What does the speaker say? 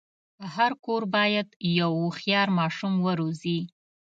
هر کور باید یو هوښیار ماشوم وروزي.